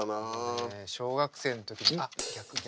もうね小学生の時にあっ逆逆。